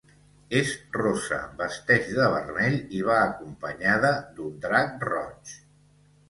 És rossa, vesteix de vermell i va acompanyada d'un Drac roig